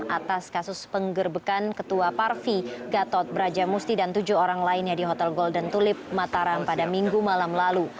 atas kasus penggerbekan ketua parvi gatot brajamusti dan tujuh orang lainnya di hotel golden tulip mataram pada minggu malam lalu